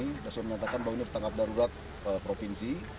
sudah sudah menyatakan bahwa ini bertanggap darurat provinsi